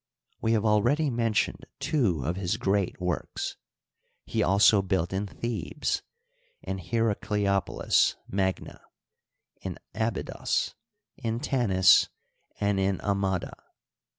We have already mentioned two of his great works. He also built in Thebes, in Heracleopolis magna, in Abvdos, in Tanis, and in Amada.